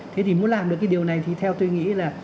thế thì muốn làm được cái điều này thì theo tôi nghĩ là